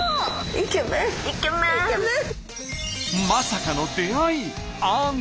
まさかの出会いアンド